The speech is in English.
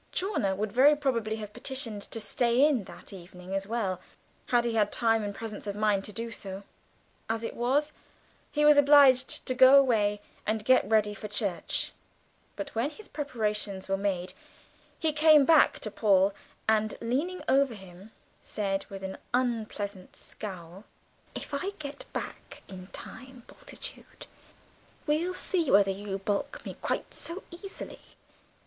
Chawner would very probably have petitioned to stay in that evening as well, had he had time and presence of mind to do so; as it was, he was obliged to go away and get ready for church, but when his preparations were made he came back to Paul, and leaning over him said with an unpleasant scowl, "If I get back in time, Bultitude, we'll see whether you baulk me quite so easily.